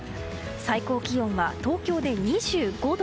最高気温は東京で２５度。